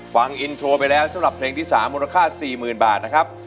ฟังอินโทรไปแล้วสำหรับเพลงที่๓มูลค่า๔๐๐๐บาทนะครับ